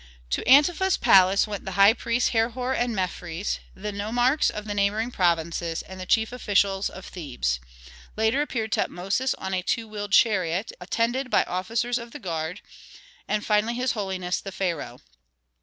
To Antefa's palace went the high priests Herhor and Mefres, the nomarchs of the neighboring provinces, and the chief officials of Thebes. Later appeared Tutmosis on a two wheeled chariot, attended by officers of the guard, and finally his holiness, the pharaoh.